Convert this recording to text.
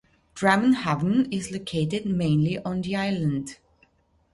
Drammen havn is located mainly on the island.